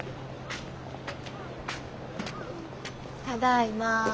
ただいま。